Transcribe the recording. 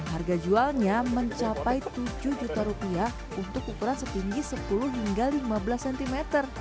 harga jualnya mencapai tujuh juta rupiah untuk ukuran setinggi sepuluh hingga lima belas cm